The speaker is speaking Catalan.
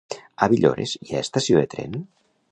A Villores hi ha estació de tren?